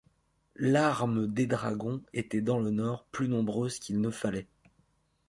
L'arme des dragons était dans le Nord plus nombreuse qu'il ne fallait.